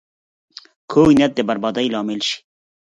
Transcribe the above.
کوږ نیت د بربادۍ لامل شي